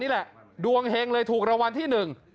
นี่แหละดวงเฮงเลยถูกรางวัลที่หนึ่ง